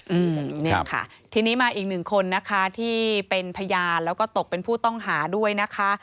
อืมเนี่ยค่ะทีนี้มาอีกหนึ่งคนนะคะที่เป็นพยานแล้วก็ตกเป็นผู้ต้องหาด้วยนะคะ